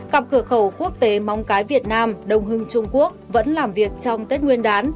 cặp cửa khẩu quốc tế móng cái việt nam đông hưng trung quốc vẫn làm việc trong tết nguyên đán